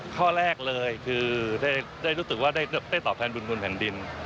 ข้อแรกเลยคือได้รู้สึกว่าได้ตอบแทนบุญคุณแผ่นดิน